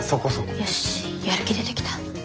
よしやる気出てきた。